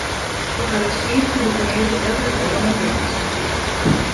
Ik ha dus fiif kubike meter wetter foar ien dûbeltsje.